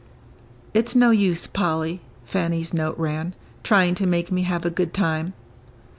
"It's no use, Polly," Fanny's note ran, "trying to make me have a good time.